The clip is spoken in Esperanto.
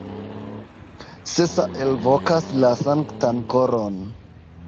Sesa elvokas la Sanktan Koron.